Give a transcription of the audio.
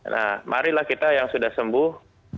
nah marilah kita yang sudah sembuh